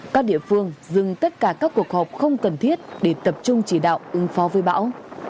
các địa phương dừng tất cả các cuộc họp không cần thiết để tập trung chỉ đạo ứng phó với bão